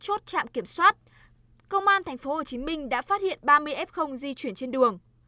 công an tp hcm đã phát hiện ba mươi f di chuyển trên đường